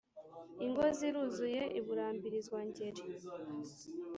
ingo ziruzuye i burambirizwa-ngeri